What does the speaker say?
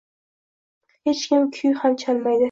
hech kim kuy ham chalmaydi.